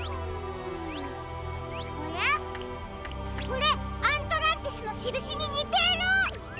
これアントランティスのしるしににてる！